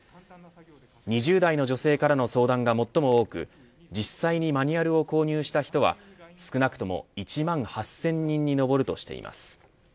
２０代の女性からの相談が最も多く実際にマニュアルを購入した人は少なくとも１万８０００人に上るとしています。